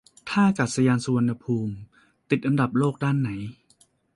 ท่าอากาศยานสุวรรณภูมิติดอันดับโลกด้านไหน